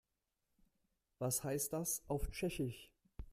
Was heißt das auf Tschechisch?